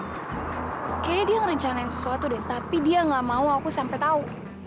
kayaknya dia ngerencanain sesuatu deh tapi dia gak mau aku sampai tahu